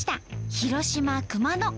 広島熊野。